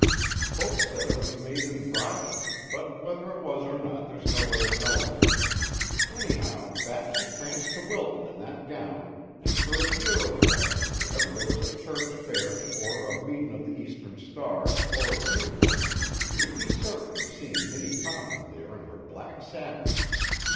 Folks said it was made in Brockton, but whether it was or not there's no way of knowin'. Anyhow, back she pranced to Wilton in that gown an' for a year or more, whenever there was a church fair, or a meetin' of the Eastern Star, or a funeral, you'd be certain of seein' Minnie Coffin there in her black satin.